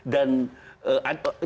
dan dianggap ada